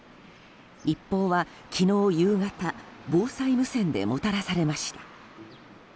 一報は、昨日夕方防災無線でもたらされました。